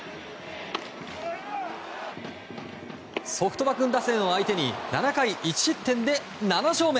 ソフトバンク打線を相手に７回１失点で７勝目。